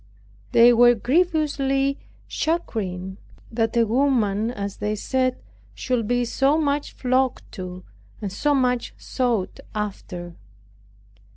They were grievously chagrined that a woman, as they said, should be so much flocked to, and so much sought after.